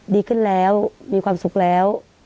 ดีขึ้นแล้วมีความสุขแล้ว